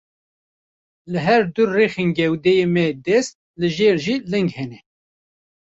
Li her du rexên gewdeyê me dest, li jêr jî ling hene.